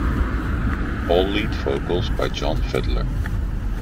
All lead vocals by John Fiddler.